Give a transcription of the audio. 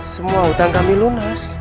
semua utang kami lunas